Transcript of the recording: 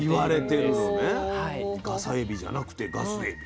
ガサエビじゃなくてガスエビ。